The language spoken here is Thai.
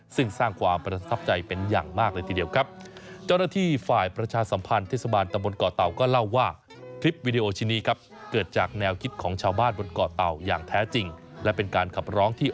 ซึ่งสร้างความประทับใจเป็นอย่างมากเลยทีเดียวครับ